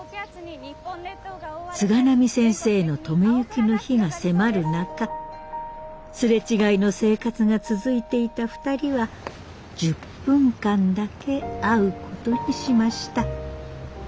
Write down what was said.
菅波先生の登米行きの日が迫る中擦れ違いの生活が続いていた２人は１０分間だけ会うことにしました。